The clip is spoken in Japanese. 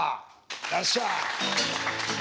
よっしゃ。